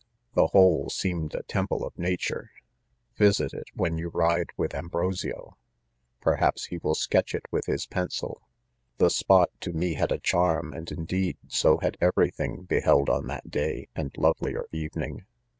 /" The whole seemed.a temple of nature. Vi sit it, when you ride with Ambrosio. Perhaps he will sketch it with his pencil. The spot to me had a charm, and indeed,, so had every thing beheld*on that day and lovelier evening.